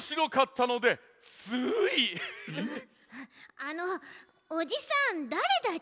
あのおじさんだれだち？